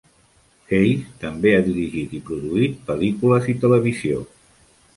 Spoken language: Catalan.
Hays també ha dirigit i produït pel·lícules i televisió.